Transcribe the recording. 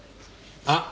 あっ！